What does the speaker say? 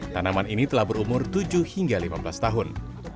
tanaman ini telah berumur tujuh hingga lima belas tahun